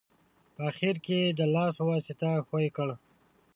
په اخیر کې یې د لاس په واسطه ښوي کړئ.